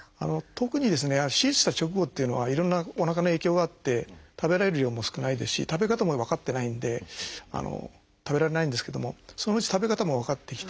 特に手術した直後っていうのはいろんなおなかの影響があって食べられる量も少ないですし食べ方も分かってないんで食べられないんですけどもそのうち食べ方も分かってきて